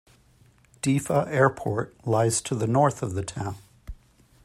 Diffa Airport lies to the north of the town.